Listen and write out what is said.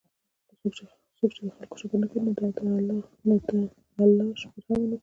څوک چې د خلکو شکر نه کوي، نو ده د الله شکر هم ونکړو